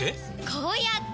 こうやって！